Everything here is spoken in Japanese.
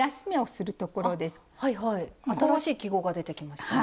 新しい記号が出てきました。